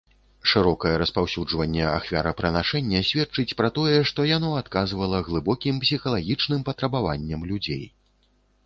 Шырокае распаўсюджванне ахвярапрынашэння сведчыць пра тое, што яно адказвала глыбокім псіхалагічным патрабаванням людзей.